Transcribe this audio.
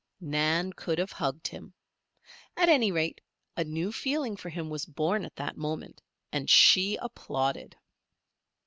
Nan could have hugged him. At any rate, a new feeling for him was born at that moment, and she applauded.